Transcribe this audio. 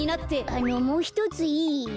あのもうひとついい？